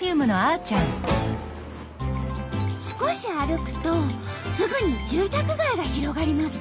少し歩くとすぐに住宅街が広がります。